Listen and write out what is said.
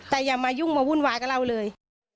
แต่อย่ามายุ่งมาวุ่นวายกับเราเลย